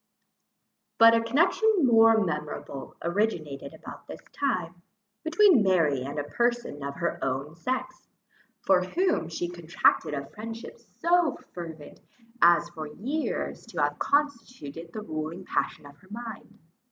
But a connection more memorable originated about this time, between Mary and a person of her own sex, for whom she contracted a friendship so fervent, as for years to have constituted the ruling passion of her mind.